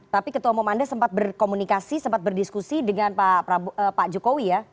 tapi ketua umum anda sempat berkomunikasi sempat berdiskusi dengan pak jokowi ya